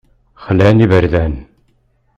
Xlan iberdan.